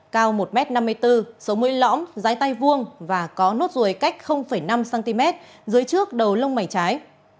cao một m năm mươi bốn sống mươi lõm dái tay vuông và có nốt ruồi cách năm cm dưới trước đầu lông mảnh trái